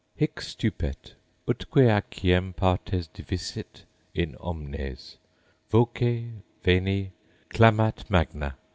Hic stupet; utque aciem partes divisit in omnes; Voce, veni, clamat magna.